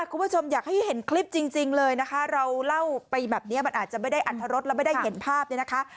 คุณผู้ชมอยากให้เห็นคลิปจริงเลยนะคะเราเล่าไปแบบนี้มันอาจจะไม่ได้อัตรรสแล้วไม่ได้เห็นภาพเนี่ยนะคะ